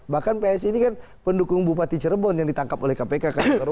bahkan psi ini kan pendukung bupati cirebon yang ditangkap oleh kpk